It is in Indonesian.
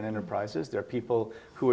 pada perusahaan standar